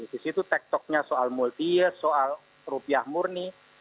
di situ tektoknya soal multiye soal rupiah murni